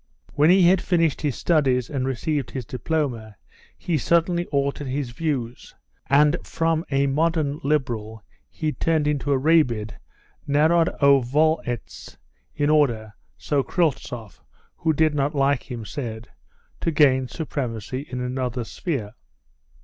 When he had finished his studies and received his diploma he suddenly altered his views, and from a modern liberal he turned into a rabid Narodovoletz, in order (so Kryltzoff, who did not like him, said) to gain supremacy in another sphere.